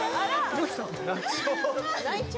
どうしたの？